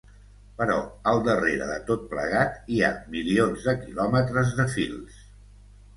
Però, al darrere de tot plegat, hi ha milions de quilòmetres de fils.